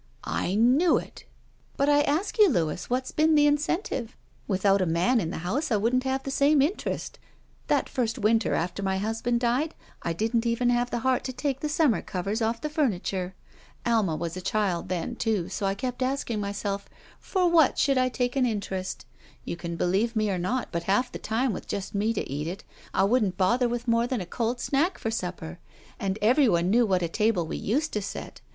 " "Iknewitl" "But I ask you, Louis, what's been the incentive? Without a man in the house I wouldn't have the same interest. That first winter after my husband died I didn't even have the heart to take the siunmer i6 SHE WALKS IN BEAUTY covers oflF the furniture. Alma was a child then, too, so I kept asking myself, 'For what should I take an interest ?' You can believe me or not, but half the time with just me to eat it, I wouldn't bother with more than a cold snack for supper, and everyone knew what a table we used to set.